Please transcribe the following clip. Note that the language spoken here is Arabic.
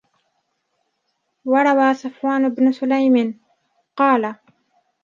وَرَوَى صَفْوَانُ بْنُ سُلَيْمٍ قَالَ